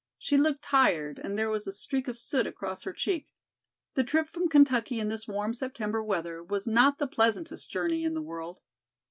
She looked tired and there was a streak of soot across her cheek. The trip from Kentucky in this warm September weather was not the pleasantest journey in the world.